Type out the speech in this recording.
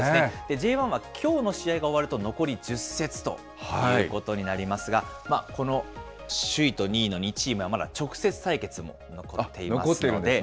Ｊ１はきょうの試合が終わると、残り１０節ということになりますが、この首位と２位の２チームはまだ直接対決も残していますので。